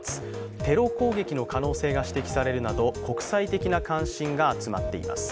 テロ攻撃の可能性が指摘されるなど国際的な関心が集まっています。